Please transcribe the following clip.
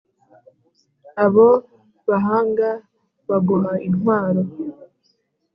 abo bahanga baguha intwaro